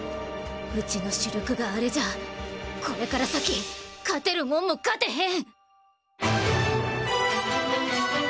うちの主力があれじゃこれから先勝てるもんも勝てへん！